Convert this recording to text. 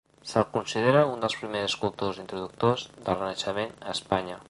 Se'l considera un dels primers escultors introductors del renaixement a Espanya.